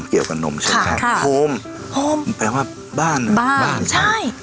เกี่ยวกับนมใช่ไหมครับโฮมโฮมแปลว่าบ้านบ้านใช่